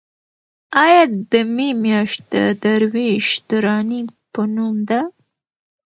ایا د مې میاشت د درویش دراني په نوم ده؟